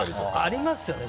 ありますよね。